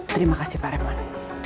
terima kasih pak raymond